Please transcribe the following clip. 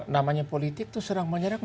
namanya politik itu serang menyerang